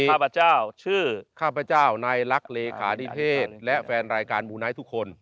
ข้าพเจ้าชื่อข้าพเจ้าในลักษณ์เลขาดีเทศและแฟนรายการหมู่น้ายทุกคน